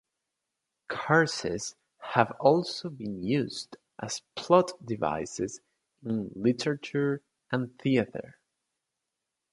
Curses have also been used as plot devices in literature and theater.